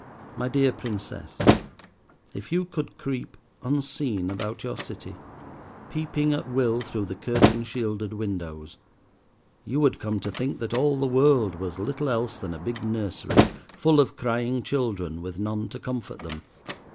My dear Princess, if you could creep unseen about your City, peeping at will through the curtain shielded windows, you would come to think that all the world was little else than a big nursery full of crying children with none to comfort them.